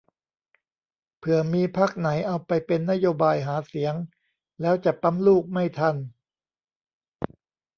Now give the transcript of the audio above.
เผื่อมีพรรคไหนเอาไปเป็นนโยบายหาเสียง แล้วจะปั๊มลูกไม่ทัน